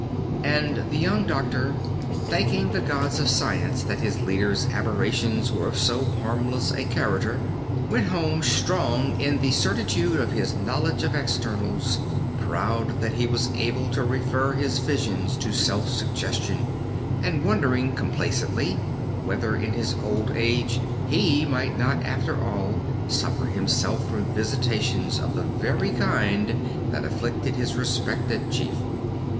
And the young doctor, thanking the gods of science that his leader's aberrations were of so harmless a character, went home strong in the certitude of his knowledge of externals, proud that he was able to refer his visions to self suggestion, and wondering complaisantly whether in his old age he might not after all suffer himself from visitations of the very kind that afflicted his respected chief.